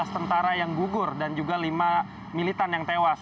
tujuh belas tentara yang gugur dan juga lima militan yang tewas